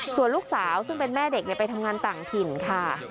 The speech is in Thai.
ส่วนลูกสาวซึ่งเป็นแม่เด็กไปทำงานต่างถิ่นค่ะ